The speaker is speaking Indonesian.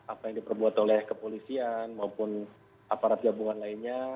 apa yang diperbuat oleh kepolisian maupun aparat gabungan lainnya